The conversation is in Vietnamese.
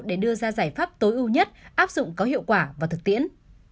để đưa ra giải pháp tối ưu nhất áp dụng có hiệu quả và thực tiễn